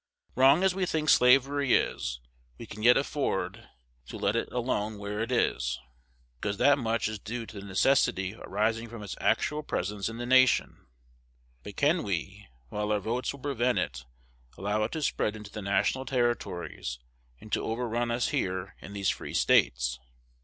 Wrong as we think slavery is, we can yet afford to let it alone where it is, because that much is due to the necessity arising from its actual presence in the nation; but can we, while our votes will prevent it, allow it to spread into the national Territories, and to overrun us here in these Free States?